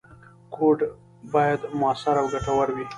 کوډ باید موثر او ګټور وي.